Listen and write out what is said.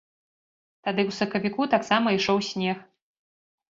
Тады ў сакавіку таксама ішоў снег.